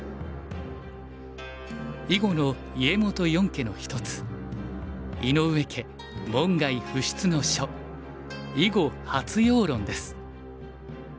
囲碁の家元四家の一つ井上家門外不出の書「囲碁発陽論」です。